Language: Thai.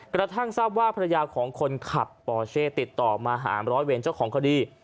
กระทั่งทราบว่าภรรยาของคนขับปอเช่ติดต่อมาหาร้อยเวรเจ้าของคดี